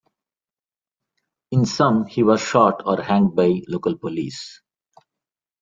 In some he was shot or hanged by local police.